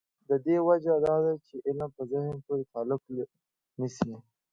د دې وجه دا ده چې علم په ذهن پورې تعلق نیسي.